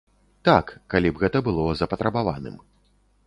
Так, калі б гэта было запатрабаваным.